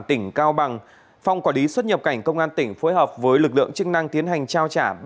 tỉnh cao bằng phòng quản lý xuất nhập cảnh công an tỉnh phối hợp với lực lượng chức năng tiến hành trao trả